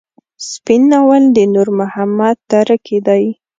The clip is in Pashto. سپين ناول د نور محمد تره کي دی.